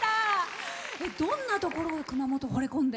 どんなところ、熊本ほれ込んで？